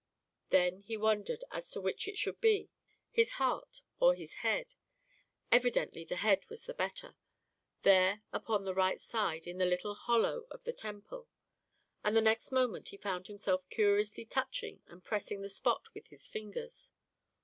Then he wondered as to which it should be, his heart or his head; evidently the head was the better; there upon the right side in the little hollow of the temple, and the next moment he found himself curiously touching and pressing the spot with his fingers.